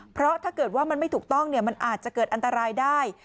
เพราะถ้าเกิดว่ามันไม่ถูกต้องมันอาจจะเกิดอันตรายได้